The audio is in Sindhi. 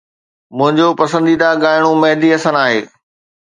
منهنجو پسنديده ڳائڻو مهدي حسن آهي.